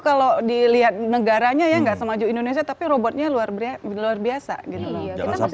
kalau dilihat negaranya ya nggak sama juga indonesia tapi robotnya luar biasa luar biasa